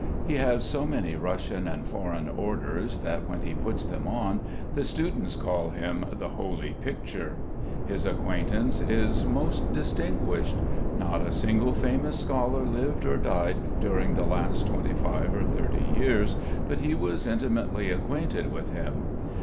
He has so many Russian and foreign Orders that when he puts them on the students call him "the holy picture." His acquaintance is most distinguished. Not a single famous scholar lived or died during the last twenty five or thirty years but he was intimately acquainted with him.